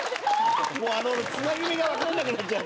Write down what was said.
もうつなぎ目が分かんなくなっちゃう。